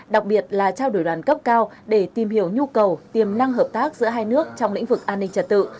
đặc biệt là trao đổi đoàn cấp cao để tìm hiểu nhu cầu tiềm năng hợp tác giữa hai nước trong lĩnh vực an ninh trật tự